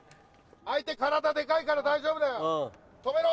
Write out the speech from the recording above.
相手体デカいから大丈夫だよ止めろ。